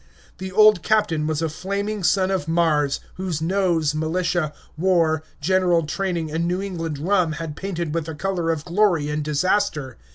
The old captain was a flaming son of Mars, whose nose militia, war, general training, and New England rum had painted with the color of glory and disaster.